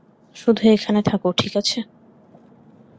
শুধু এখানে থাকো, ঠিক আছে?